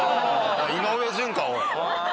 井上順かおい。